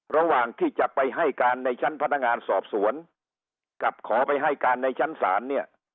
ระหว่างที่จะไปให้การในชั้นพนักงานสอบสวนกับขอไปให้การในชั้นศาลเนี่ย